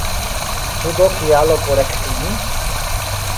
Ĉu do kialo por ektimi?